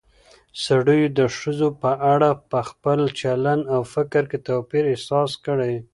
سړيو د ښځو په اړه په خپل چلن او فکر کې توپير احساس کړى